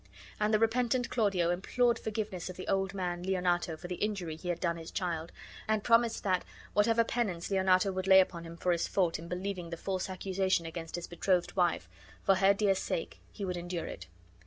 And the repentant Claudio implored forgiveness of the old man Leonato for the injury he had done his child; and promised that, whatever penance Leonato would lay upon him for his fault in believing the false accusation against his betrothed wife, for her dear sake he would endure it.